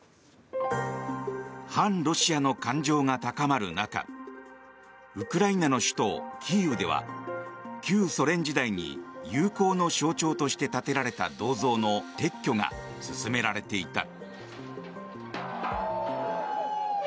反ロシアの感情が高まる中ウクライナの首都キーウでは旧ソ連時代に友好の象徴として建てられた銅像の撤去が進められていた。